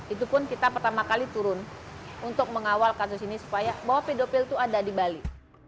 itu pun kita pertama kali turun untuk mengawal kasus ini supaya bahwa pedofil itu ada di bali